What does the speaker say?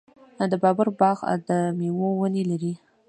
د بابر باغ د میوو ونې لري.